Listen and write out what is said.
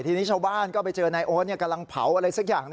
ทีนี้ชาวบ้านก็ไปเจอนายโอ๊ตกำลังเผาอะไรสักอย่าง